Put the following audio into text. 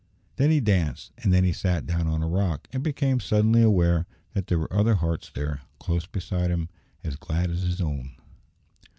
Then he danced, and then he sat down on a rock, and became suddenly aware that there were other hearts there, close beside him, as glad as his own.